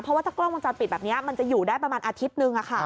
เพราะว่าถ้ากล้องวงจรปิดแบบนี้มันจะอยู่ได้ประมาณอาทิตย์นึง